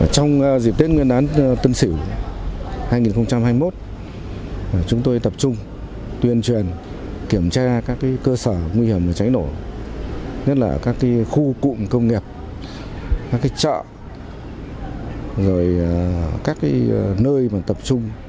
trong dịp tết nguyên đán tân sửu hai nghìn hai mươi một chúng tôi tập trung tuyên truyền kiểm tra các cơ sở nguy hiểm cháy nổ nhất là các khu cụm công nghiệp các chợ các nơi tập trung